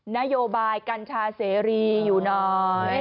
นโยบายกัญชาเสรีอยู่น้อย